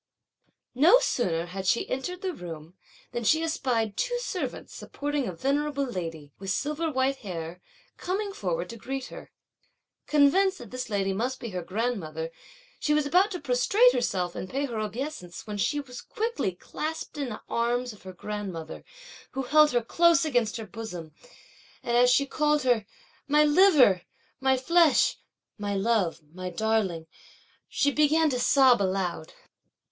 No sooner had she entered the room, than she espied two servants supporting a venerable lady, with silver white hair, coming forward to greet her. Convinced that this lady must be her grandmother, she was about to prostrate herself and pay her obeisance, when she was quickly clasped in the arms of her grandmother, who held her close against her bosom; and as she called her "my liver! my flesh!" (my love! my darling!) she began to sob aloud.